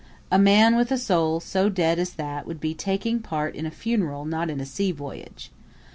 A man with a soul so dead as that would be taking part in a funeral, not in a sea voyage.